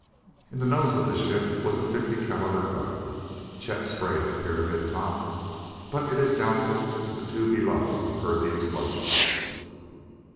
In the nose of the ship was a .50 caliber gun. Chet sprayed the pyramid top, but it is doubtful if the two below heard the explosions.